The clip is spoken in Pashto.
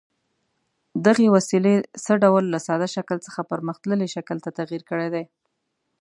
دغې وسیلې څه ډول له ساده شکل څخه پرمختللي شکل ته تغیر کړی دی؟